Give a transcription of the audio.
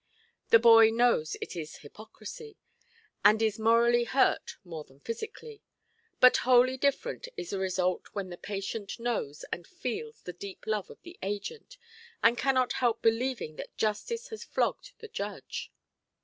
The boy knows it is hypocrisy, and is morally hurt more than physically. But wholly different is the result when the patient knows and feels the deep love of the agent, and cannot help believing that justice has flogged the judge.